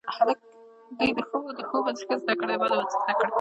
د ښو به ښه زده کړی، د بدو به څه زده کړی